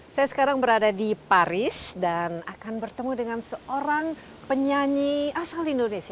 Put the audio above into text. saya sekarang berada di paris dan akan bertemu dengan seorang penyanyi asal indonesia